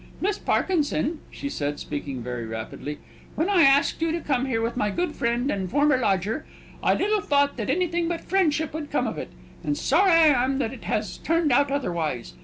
"Miss Parkinson," she said, speaking very rapidly, "when I asked you to come here with my good friend and former lodger, I little thought that anything but friendship would come of it; and sorry I am that it has turned out otherwise.